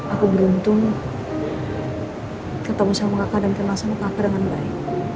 aku beruntung ketemu sama kakak dan kenal sama kakak dengan baik